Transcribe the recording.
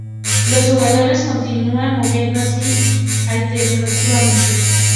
Los jugadores continúan moviendo así alternativamente.